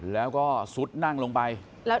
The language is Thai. แล้วก็ซุดนั่งลงไป